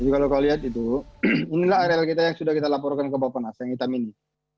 jadi kalau kau lihat itu inilah areal kita yang sudah kita laporkan ke bpn yang hitam ini